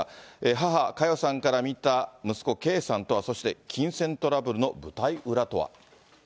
母、佳代さんから見た息子、圭さんとは、そして金銭トラブルの舞台裏とは。